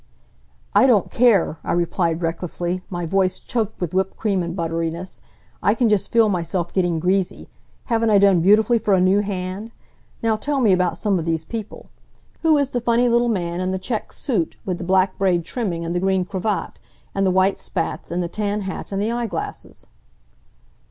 "I don't care," I replied, recklessly, my voice choked with whipped cream and butteriness. "I can just feel myself getting greasy. Haven't I done beautifully for a new hand? Now tell me about some of these people. Who is the funny little man in the checked suit with the black braid trimming, and the green cravat, and the white spats, and the tan hat and the eyeglasses?"